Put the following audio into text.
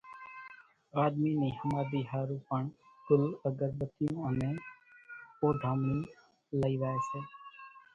آۮمِي نِي ۿماۮِي ۿارُو پڻ ڳل، اڳر ٻتيون انين اوڍامڻي لئي زائي سي۔